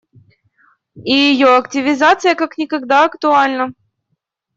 И ее активизация как никогда актуальна.